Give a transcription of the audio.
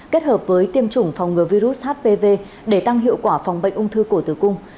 kết hợp với tiêm chủng phòng ngừa virus hpv để tăng hiệu quả phòng bệnh ung thư cổ tử cung